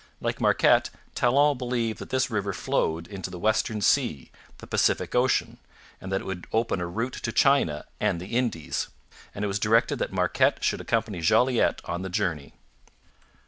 Like Marquette, Talon believed that this river flowed into the Western Sea the Pacific ocean and that it would open a route to China and the Indies; and it was directed that Marquette should accompany Jolliet on the journey.